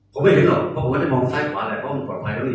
ผมไม่เห็นหรอกผมก็จะมองซ้ายขวาแหละเพราะมันปลอดภัยแล้วนี่